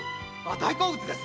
大好物です。